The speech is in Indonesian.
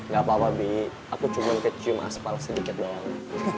gak apa apa bi aku cuma kecium aspal sedikit doang